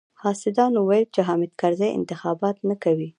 حاسدانو ويل چې حامد کرزی انتخابات نه کوي.